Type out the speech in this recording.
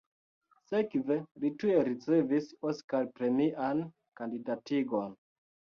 Sekve li tuj ricevis Oskar-premian kandidatigon.